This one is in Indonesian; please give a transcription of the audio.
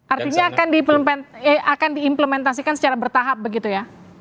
artinya akan diimplementasikan secara bertahap begitu ya